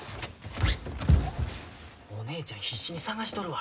お姉ちゃん必死に捜しとるわ。